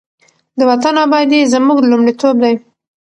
د وطن ابادي زموږ لومړیتوب دی.